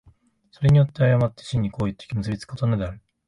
それによって却って真に行為と結び付くことになるのである。